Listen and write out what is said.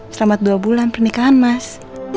selama dua bulan pernikahan mas